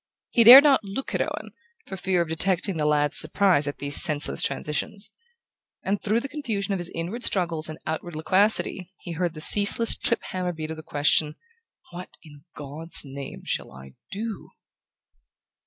He dared not look at Owen, for fear of detecting the lad's surprise at these senseless transitions. And through the confusion of his inward struggles and outward loquacity he heard the ceaseless trip hammer beat of the question: "What in God's name shall I do?"...